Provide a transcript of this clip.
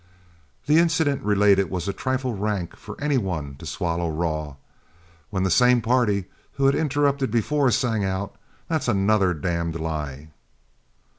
The incident related was a trifle rank for any one to swallow raw, when the same party who had interrupted before sang out, 'That's another damn lie.'